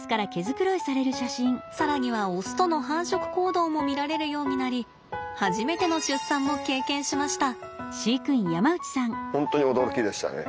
更にはオスとの繁殖行動も見られるようになり初めての出産も経験しました。